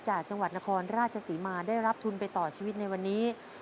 จังหวัดนครราชศรีมาได้รับทุนไปต่อชีวิตในวันนี้